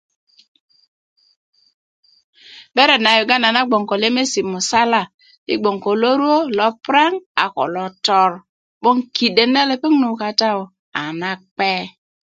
beret na yuganda na gboŋ ko lemesil musala yi gboŋ ko loruwö lotor ko lopuraŋ 'boŋ kiden na lepeŋ nu kata yu a na kpe